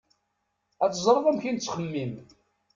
Ad teẓreḍ amek i nettxemmim.